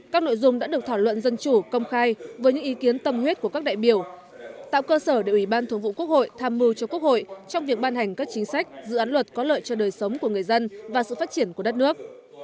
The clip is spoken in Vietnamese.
các nội dung đã được thảo luận dân chủ công khai với những ý kiến tâm huyết của các đại biểu tạo cơ sở để ủy ban thường vụ quốc hội tham mưu cho quốc hội trong việc ban hành các chính sách dự án luật có lợi cho đời sống của người dân và sự phát triển của đất nước